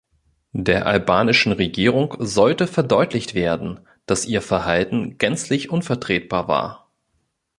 Der albanischen Regierung sollte verdeutlicht werden, dass ihr Verhalten gänzlich unvertretbar war.